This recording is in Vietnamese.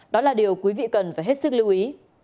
đó là điều quý vị cần phải hết sức lưu ý